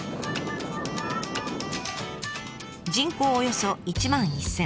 人口およそ１万１，０００。